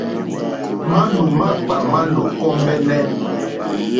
Manù makpà ma nò kombεnε.